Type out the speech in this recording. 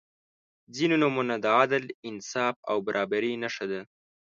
• ځینې نومونه د عدل، انصاف او برابري نښه ده.